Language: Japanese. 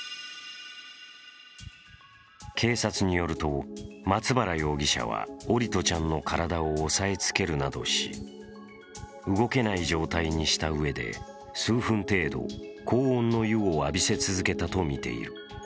警察によると、松原容疑者は桜利斗ちゃんの体を押さえつけるなどし、動けない状態にしたうえで、数分程度、高温の湯を浴びせ続けたとみている。